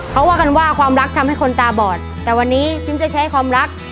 เขาว่ากันว่าความรักทำให้คนตาบอดแต่วันนี้ซิมจะใช้ความรัก